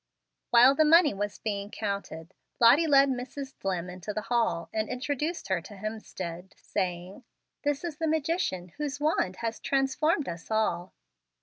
While the money was being counted, Lottie led Mrs. Dlimm into the hall, and introduced her to Hemstead, saying, "This is the magician whose wand has transformed us all."